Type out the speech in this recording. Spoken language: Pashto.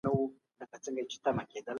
هغه فیصله چي بې ځایه وي مه کوئ.